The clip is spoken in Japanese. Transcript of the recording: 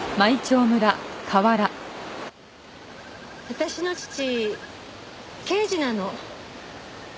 私の父刑事なの。